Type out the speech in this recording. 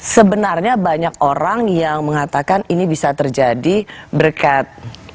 sebenarnya banyak orang yang mengatakan ini bisa terjadi berkat